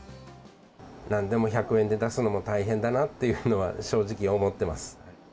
なんでも１００円で出すのも大変だなっていうのは、正直思ってます。